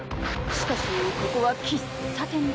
しかしここは喫茶店だ。